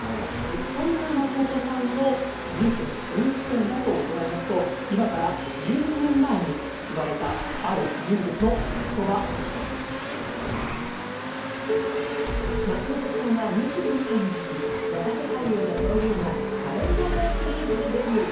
そんな松本さんの人生の分岐点はと伺いますと、今から１２年前に言われた、ある人物のことばでし松本さんは２２歳のとき、若手俳優の登竜門、仮面ライダーシリーズでデビュー。